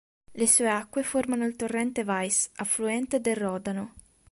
Le sue acque formano il torrente Weiss, affluente del Rodano.